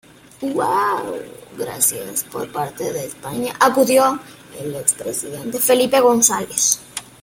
Por parte de España acudió el expresidente Felipe González.